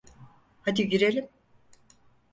Hadi girelim.